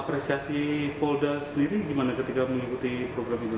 apresiasi polda sendiri gimana ketika mengikuti program ini